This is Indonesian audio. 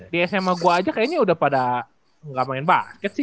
di sma gue aja kayaknya udah pada nggak main baket sih